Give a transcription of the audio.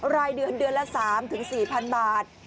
รายเดือนเดือนละ๓๔๐๐๐บาท